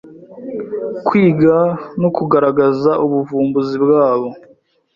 kwiga no kugaragaza ubuvumbuzi bwabo